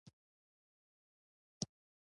دلته د کتاب لومړۍ برخه پیل کیږي.